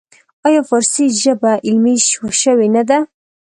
آیا فارسي ژبه علمي شوې نه ده؟